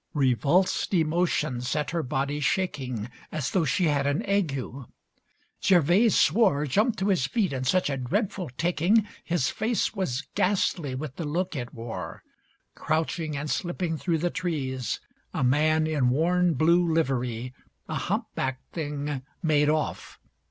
XXXIV Revulsed emotion set her body shaking As though she had an ague. Gervase swore, Jumped to his feet in such a dreadful taking His face was ghastly with the look it wore. Crouching and slipping through the trees, a man In worn, blue livery, a humpbacked thing, Made off.